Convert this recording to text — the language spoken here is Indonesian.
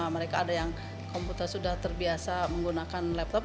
mereka ada yang komputer sudah terbiasa menggunakan laptop